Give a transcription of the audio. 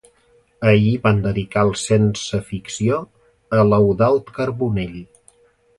Ahir van dedicar el Sense Ficció a l'Eudald Carbonell.